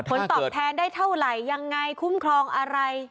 ผลตอบแทนได้เท่าไหร่ยังไงคุ้มครองอะไร